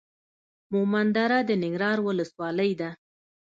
مومندره د ننګرهار ولسوالۍ ده.